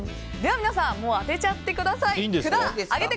では皆さん当てちゃってください。